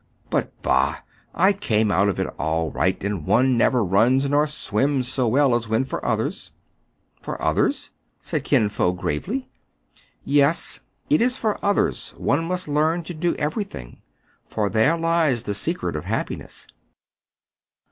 But, bah ! I came out of it all right ; and one never runs nor swims so well as ► when for others." " For others !" said Kin Fo gravely. " Yes, it is for others one must learn to do every thing ; for there lies the secret of happiness."